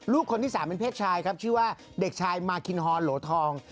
คนที่๓เป็นเพศชายครับชื่อว่าเด็กชายมาคินฮอนโหลทอง